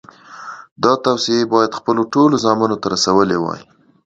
دا توصیې یې باید خپلو ټولو زامنو ته رسولې وای.